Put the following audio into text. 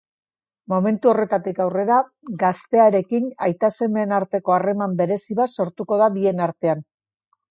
Momentu horretatik aurrera gaztearekin aita-semeen arteko harreman berezi bat sortuko da bien artean.